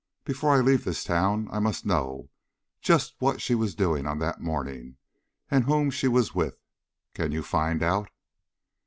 Before I leave this town I must know just what she was doing on that morning, and whom she was with. Can you find out?"